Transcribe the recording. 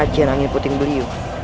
ajen angin puting beliuh